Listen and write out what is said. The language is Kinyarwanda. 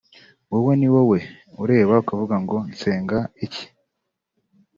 wowe ni wowe ureba ukavuga ngo nsenga iki